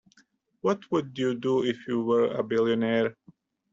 What would you do if you were a billionaire?